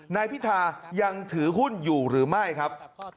นายพิธายังถือหุ้นอยู่หรือไม่ครับ